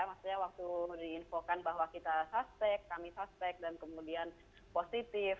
maksudnya waktu diinfokan bahwa kita suspek kami suspek dan kemudian positif